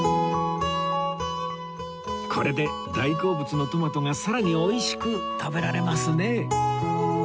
これで大好物のトマトがさらに美味しく食べられますね